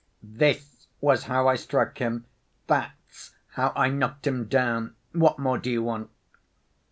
"This was how I struck him! That's how I knocked him down! What more do you want?"